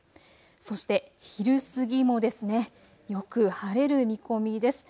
そして昼過ぎもよく晴れる見込みです。